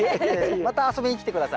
また遊びに来て下さい。